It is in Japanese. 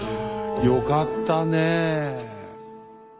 よかったねえ。